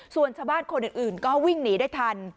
ส่วนชาวบ้านคนอื่นก็วิ่งหนีได้ทัน